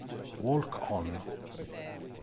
Walk On